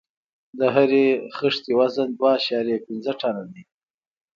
د هرې خښتې وزن دوه اعشاریه پنځه ټنه دی.